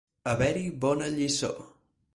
Haver-hi bona lliçó.